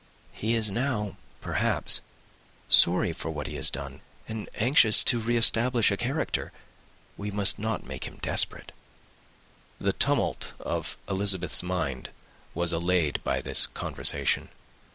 He is now, perhaps, sorry for what he has done, and anxious to re establish a character. We must not make him desperate." The tumult of Elizabeth's mind was allayed by this conversation.